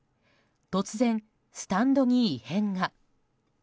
突然、スタンドに異変が。